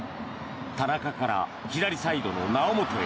田中から左サイドの猶本へ。